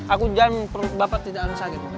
aku jam perut bapak tidak akan sakit